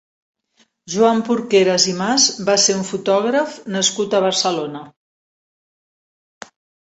Joan Porqueras i Mas va ser un fotògraf nascut a Barcelona.